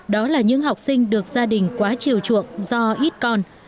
đó là những học sinh được gia đình quá chiều chuộng do ít con